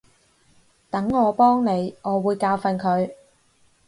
等我幫你，我會教訓佢